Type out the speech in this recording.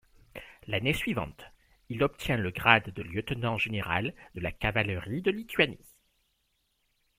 L'année suivante, il obtient le grade de lieutenant général de la cavalerie de Lituanie.